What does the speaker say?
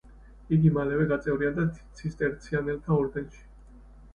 იგი მალევე გაწევრიანდა ცისტერციანელთა ორდენში.